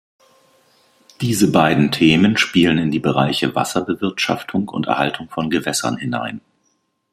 Diese beiden Themen spielen in die Bereiche Wasserbewirtschaftung und Erhaltung von Gewässern hinein.